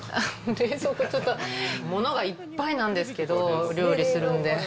冷蔵庫、ちょっと物がいっぱいなんですけど、料理するんで。